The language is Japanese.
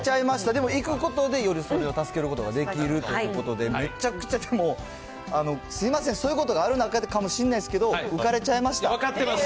でも行くことで、よりそれを助けることができるということで、めちゃくちゃ、でも、すみません、そういうことがある中でかもしれませんけど、浮かれちゃいました分かってます。